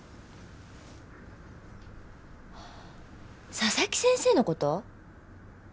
佐々木先生の事？